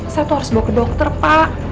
saya tuh harus bawa ke dokter pak